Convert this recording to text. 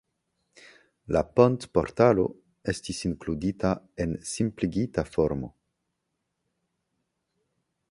La pontportalo estis inkludita en simpligita formo.